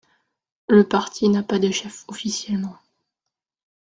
Le Parti n'a pas de chef officiellement.